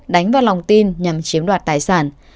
đánh vào lòng tin nhằm chiếm đoạt tài sản